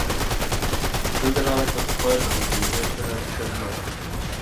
Está enterrada con sus padres en el Cementerio Pioneer Cheltenham.